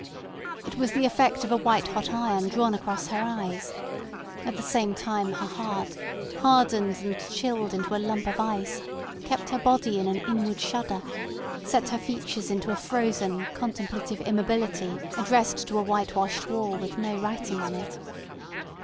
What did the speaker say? It was the effect of a white hot iron drawn across her eyes; at the same time her heart, hardened and chilled into a lump of ice, kept her body in an inward shudder, set her features into a frozen contemplative immobility addressed to a whitewashed wall with no writing on it.